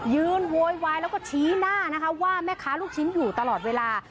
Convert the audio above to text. โวยวายแล้วก็ชี้หน้านะคะว่าแม่ค้าลูกชิ้นอยู่ตลอดเวลา